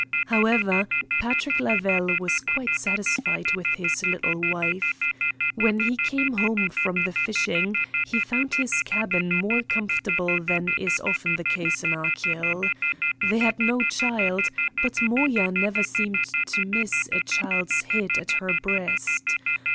However, Patrick Lavelle was quite satisfied with his little wife. When he came home from the fishing he found his cabin more comfortable than is often the case in Achill. They had no child, but Moya never seemed to miss a child's head at her breast.